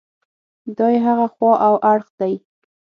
دا یې هغه خوا او اړخ دی.